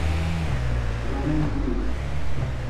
Romain Goupil